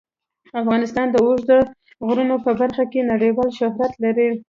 افغانستان د اوږده غرونه په برخه کې نړیوال شهرت لري.